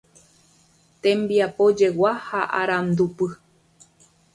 Tembiapojegua ha Arandupy